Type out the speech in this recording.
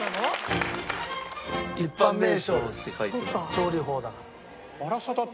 調理法だから。